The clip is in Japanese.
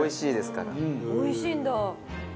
おいしいんだ。